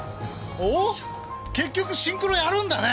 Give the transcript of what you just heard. おっ結局シンクロやるんだね。